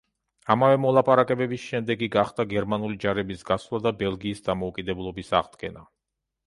ამავე მოლაპარაკებების შედეგი გახდა გერმანული ჯარების გასვლა და ბელგიის დამოუკიდებლობის აღდგენა.